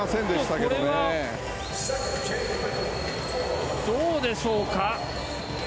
これはどうでしょうか。